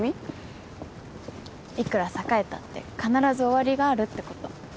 いくら栄えたって必ず終わりがあるってこと。